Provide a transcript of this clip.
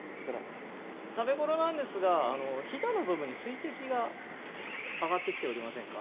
食べ頃なんですがひだの部分に水滴が上がってきておりませんか？